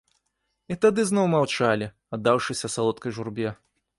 І тады зноў маўчалі, аддаўшыся салодкай журбе.